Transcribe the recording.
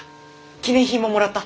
記念品ももらった？